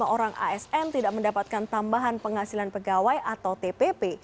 satu ratus delapan puluh lima orang asn tidak mendapatkan tambahan penghasilan pegawai atau tpp